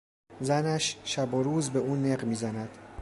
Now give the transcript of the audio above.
زنش شب و روز به او نق میزند.